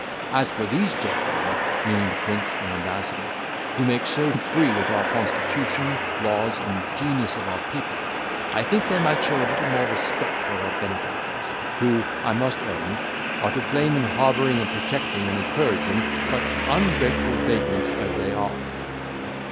As for these gentlemen (meaning the prince and ambassador), who make so free with our constitution, laws, and genius of our people, I think they might show a little more respect for their benefactors, who, I must own, are to blame in harbouring and protecting, and encouraging such ungrateful vagrants as they are."